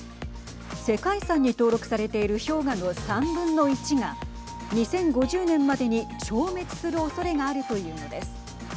世界遺産に登録されている氷河の３分の１が２０５０年までに消滅するおそれがあるというのです。